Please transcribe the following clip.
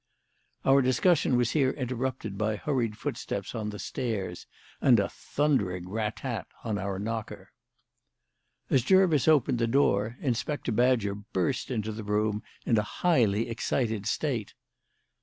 Our discussion was here interrupted by hurried footsteps on the stairs and a thundering rat tat on our knocker. As Jervis opened the door, Inspector Badger burst into the room in a highly excited state.